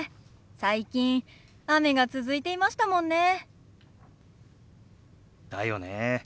最近雨が続いていましたもんね。だよね。